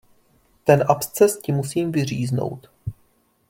Ten absces ti musím vyříznout.